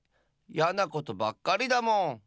やなことばっかりだもん。